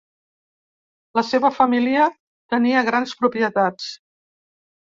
La seva família tenia grans propietats.